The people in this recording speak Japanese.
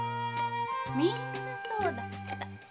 みんなそうだった。